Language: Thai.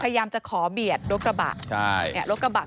พยายามจะขอเบียดรถกระบะ